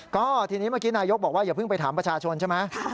ก็ทีนี้เมื่อกี้นายกบอกว่าอย่าเพิ่งไปถามประชาชนใช่ไหม